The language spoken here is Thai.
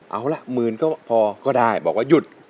เอาละหมื่นก็พอก็ได้บอกว่าหยุด